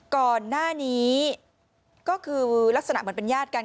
ก่อนหน้านี้ก็คือลักษณะเหมือนเป็นญาติกัน